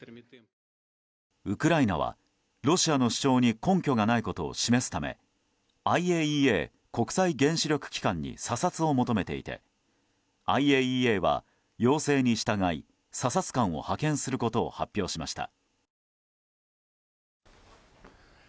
ウクライナは、ロシアの主張に根拠がないことを示すためＩＡＥＡ・国際原子力機関に査察を求めていてＩＡＥＡは、要請に従い査察官を派遣することを発表しました。